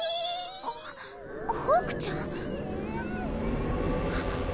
あっホークちゃん？はっ！